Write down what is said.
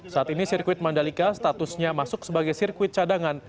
saat ini sirkuit mandalika statusnya masuk sebagai sirkuit cadangan